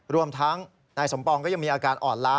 รวมทั้งนายสมปองก็ยังออกอ่อนละ